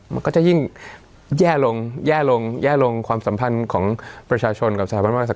มันก็จะยิ่งแย่ลงแย่ลงแย่ลงความสัมพันธ์ของประชาชนกับสถาบันพระศาส